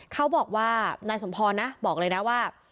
เขาบอกว่านายสมพรนะบอกเลยนะว่า